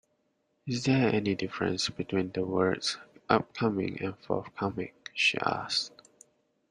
Is there any difference between the words Upcoming and forthcoming? she asked